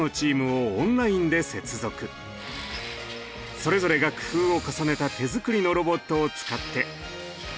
それぞれが工夫を重ねた手づくりのロボットを使って。